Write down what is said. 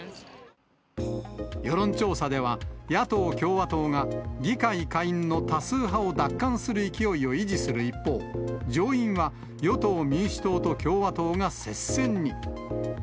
世論調査では、野党・共和党が議会下院の多数派を奪還する勢いを維持する一方、上院は与党・民主党と共和党が接戦に。